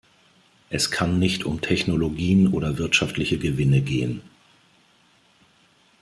Es kann nicht um Technologien oder wirtschaftliche Gewinne gehen.